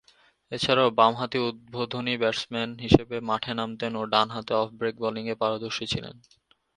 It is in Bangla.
এছাড়াও বামহাতি উদ্বোধনী ব্যাটসম্যান হিসেবে মাঠে নামতেন ও ডানহাতে অফ ব্রেক বোলিংয়ে পারদর্শী ছিলেন।